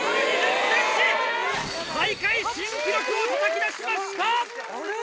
大会新記録をたたき出しました！